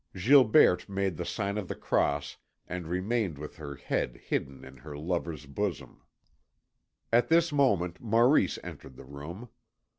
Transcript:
Gilberte made the sign of the Cross and remained with her head hidden in her lover's bosom. At this moment Maurice entered the room.